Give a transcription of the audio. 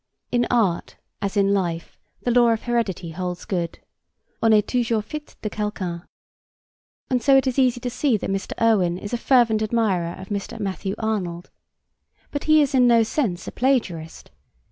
In art as in life the law of heredity holds good. On est toujours fits de quelqu'un. And so it is easy to see that Mr. Irwin is a fervent admirer of Mr. Matthew Arnold. But he is in no sense a plagiarist.